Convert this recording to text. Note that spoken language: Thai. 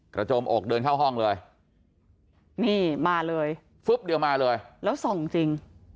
โจมอกเดินเข้าห้องเลยนี่มาเลยฟึ๊บเดียวมาเลยแล้วส่องจริง